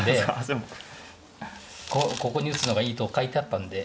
ここに打つのがいいと書いてあったんで。